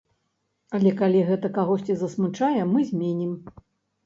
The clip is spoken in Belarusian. Але калі гэта кагосьці засмучае, мы зменім.